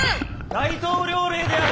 大統領令である。